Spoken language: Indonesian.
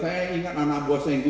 saya ingat anak buah saya yang gugur